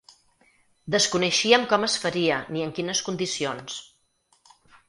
Desconeixíem com es faria ni en quines condicions.